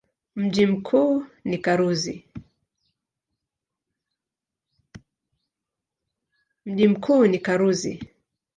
Mji mkuu ni Karuzi.